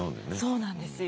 そうなんですよ。